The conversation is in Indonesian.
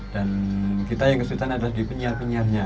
dan kita yang kesulitan adalah di penyiar penyiarnya